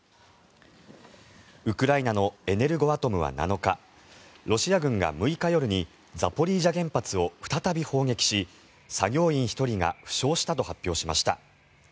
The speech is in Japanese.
ウクライナのエネルゴアトムは７日ロシア軍が６日夜にザポリージャ原発を再び砲撃し作業員１人が負傷したと発表しました。